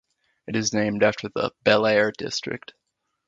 It is named after the "Bel-Air" district.